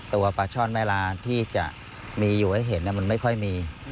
ปลาช่อนแม่ลาที่จะมีอยู่ให้เห็นมันไม่ค่อยมี